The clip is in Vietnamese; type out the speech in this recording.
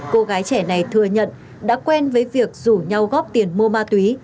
cô gái trẻ này thừa nhận đã quen với việc rủ nhau góp tiền mua ma túy